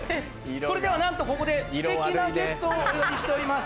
それではなんとここでステキなゲストをお呼びしております。